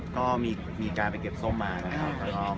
ก็มีการไปเก็บส้มมานะครับ